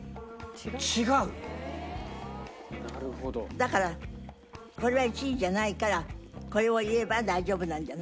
だからこれは１位じゃないからこれを言えば大丈夫なんじゃない？